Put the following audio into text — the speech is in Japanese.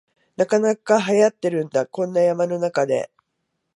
なかなかはやってるんだ、こんな山の中で